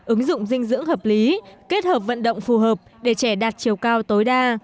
ứng dụng dinh dưỡng hợp lý kết hợp vận động phù hợp để trẻ đạt chiều cao tối đa